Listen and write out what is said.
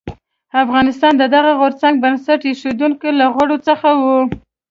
افغانستان د دغه غورځنګ بنسټ ایښودونکو له غړو څخه و.